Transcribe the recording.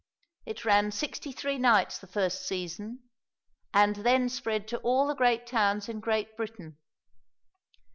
It ran sixty three nights the first season, and then spread to all the great towns in Great Britain.